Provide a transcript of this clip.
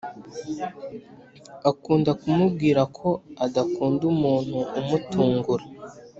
akunda kumubwira ko adakunda umuntu umutungura